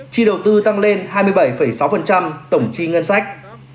chi đầu tư tăng lên hai mươi bảy sáu tổng chi ngân sách